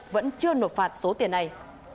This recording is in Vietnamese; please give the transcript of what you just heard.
vẫn chưa nộp phạt số tiền này